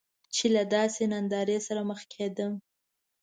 چې له داسې نندارې سره مخ کیدم.